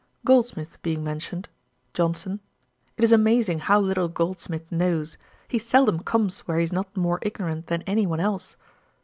Goldsmith being mentioned; JOHNSON. 'It is amazing how little Goldsmith knows. He seldom comes where he is not more ignorant than any one else.'